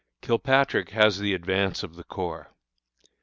Kilpatrick has the advance of the corps.